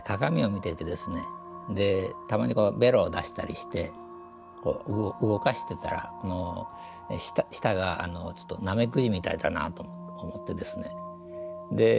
見ていてですねでたまにベロを出したりして動かしてたら舌がちょっとナメクジみたいだなと思ってですねで